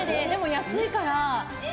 安いから。